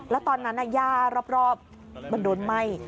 แล้วตอนนั้นย่ารอบมันโดนไหม้